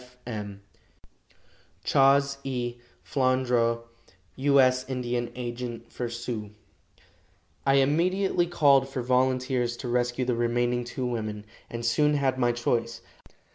B. C. F. M. "CHAS. E. FLANDRAU, "U. S. Indian Agent for Sioux." I immediately called for volunteers to rescue the remaining two women, and soon had my choice.